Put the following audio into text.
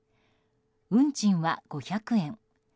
運賃は、５００円。